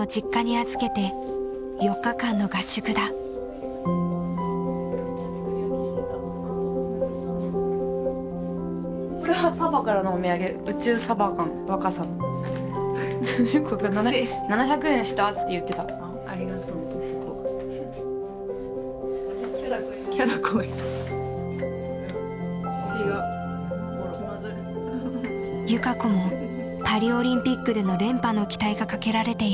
友香子もパリオリンピックでの連覇の期待がかけられている。